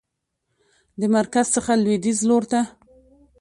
د مرکز څخه لویدیځ لورته